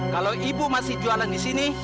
kalau ibu masih jualan di sini